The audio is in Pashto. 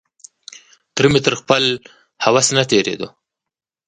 تره مې تر خپل هوس نه تېرېدو.